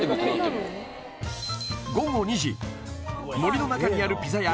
午後２時森の中にあるピザ屋